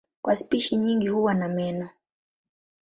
Kwa spishi nyingi huwa na meno.